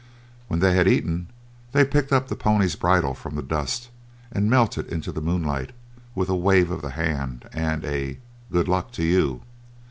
When they had eaten they picked up the pony's bridle from the dust and melted into the moonlight with a wave of the hand and a "good luck to you."